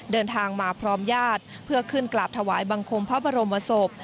เดินทางมาพร้อมญาติเพื่อขึ้นกราบถวายบังคมพระบรมศพ